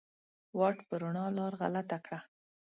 واټ په روڼا لار غلطه کړه